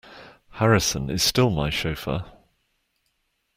Harrison is still my chauffeur.